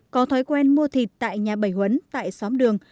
có thói quen mua thịt tại nhà bảy huấn tại xóm đường